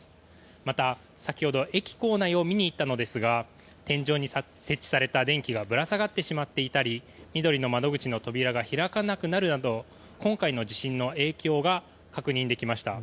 また、先ほど駅構内を見に行ったのですが天井に設置された電気がぶら下がっていたりみどりの窓口の扉が開かなくなるなど今回の地震の影響が確認できました。